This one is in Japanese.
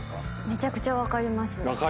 めちゃくちゃ分かります。